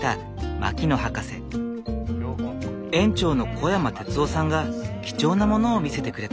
園長の小山鐵夫さんが貴重なものを見せてくれた。